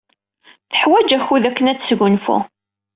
Teḥwaj akud akken ad tesgunfu.